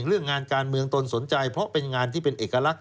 เรื่องงานการเมืองตนสนใจเพราะเป็นงานที่เป็นเอกลักษ